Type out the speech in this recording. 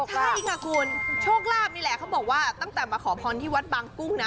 ใช่ค่ะคุณโชคลาภนี่แหละเขาบอกว่าตั้งแต่มาขอพรที่วัดบางกุ้งนะ